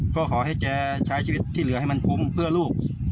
ก็ขอให้แกใช้ชีวิตที่เหลือให้มันคุ้มเพื่อลูก